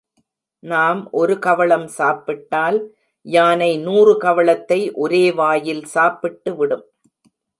நாம் ஒரு கவளம் சாப்பிட்டால் யானை நூறு கவளத்தை ஒரே வாயில் சாப்பிட்டுவிடும்.